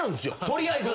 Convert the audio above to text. とりあえず。